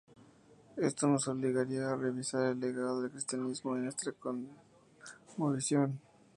Esto nos obligaría a revisar el legado del cristianismo en nuestra cosmovisión.